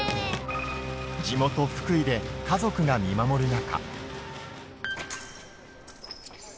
地元、福井で家族が見守る中。